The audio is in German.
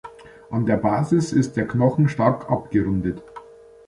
An der Basis ist der Knochen stark abgerundet.